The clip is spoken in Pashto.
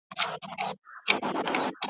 چړي حاکم سي پر بندیوان سي `